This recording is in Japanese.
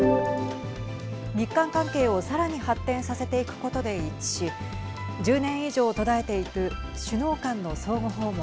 日韓関係をさらに発展させていくことで一致し１０年以上途絶えている首脳間の相互訪問